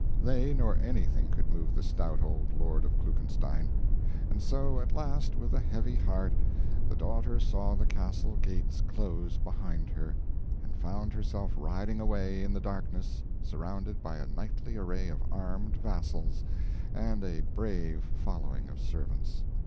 They nor anything could move the stout old lord of Klugenstein. And so, at last, with a heavy heart, the daughter saw the castle gates close behind her, and found herself riding away in the darkness surrounded by a knightly array of armed vassals and a brave following of servants.